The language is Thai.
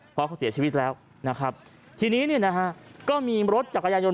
เพราะเขาเสียชีวิตแล้วนะครับทีนี้เนี่ยนะฮะก็มีรถจักรยานยนต